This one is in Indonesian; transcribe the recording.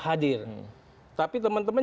hadir tapi teman teman